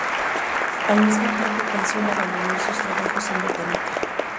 Al mismo tiempo pensó en abandonar sus trabajos en Botánica.